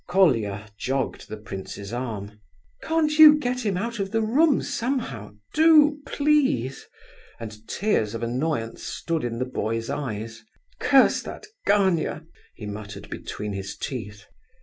Colia jogged the prince's arm. "Can't you get him out of the room, somehow? Do, please," and tears of annoyance stood in the boy's eyes. "Curse that Gania!" he muttered, between his teeth.